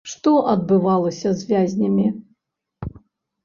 Што адбывалася з вязнямі?